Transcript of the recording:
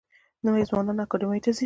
نوي ځوانان اکاډمیو ته ځي.